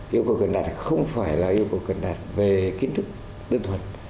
yêu cầu cần đạt không phải là yêu cầu cần đạt về kiến thức đơn thuần